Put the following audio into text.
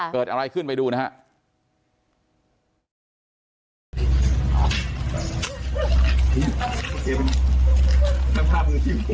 เกิดอะไรขึ้นไปดูนะครับ